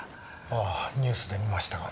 ああニュースで見ましたが。